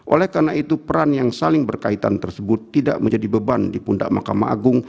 oleh karena itu peran yang saling berkaitan tersebut tidak menjadi beban di pundak mahkamah agung